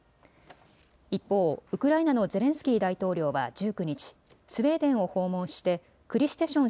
一方、ウクライナのゼレンスキー大統領は１９日、スウェーデンを訪問してクリステション